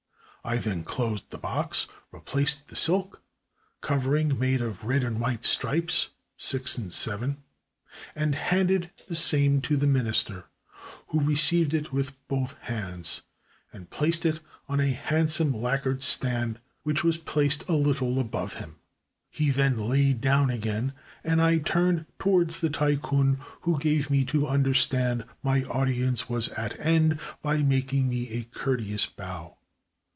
I then closed the box, re placed the silk, covering (made of red and white stripes, six and seven), and handed the same to the Minister, who received it with both hands, and placed it on a handsome lacquered stand which was placed a little above him. He then lay down again, and I turned to wards the Tai kun, who gave me to understand my audience was at an end by making me a courteous bow.